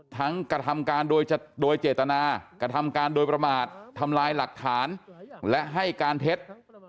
กระทำการโดยเจตนากระทำการโดยประมาททำลายหลักฐานและให้การเท็จ